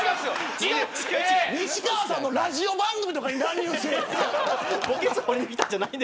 西川さんのラジオ番組とかに乱入せい。